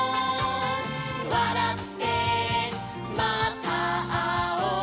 「わらってまたあおう」